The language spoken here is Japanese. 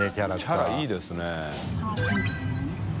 キャラいいですね。